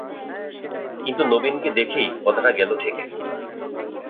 কিন্তু নবীনকে দেখেই কথাটা গেল ঠেকে।